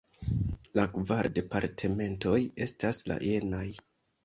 La kvar departementoj estas la jenaj:.